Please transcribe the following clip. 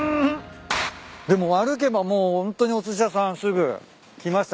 でも歩けばもうホントにおすし屋さんすぐ。来ました。